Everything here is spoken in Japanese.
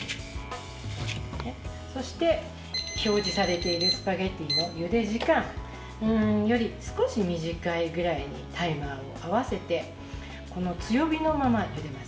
そして、表示されているスパゲッティのゆで時間より少し短いぐらいにタイマーを合わせて強火のまま、ゆでます。